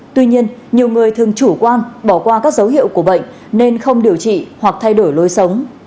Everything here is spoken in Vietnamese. tuy nhiên nhiều người thường chủ quan bỏ qua các dấu hiệu của bệnh nên không điều trị hoặc thay đổi lối sống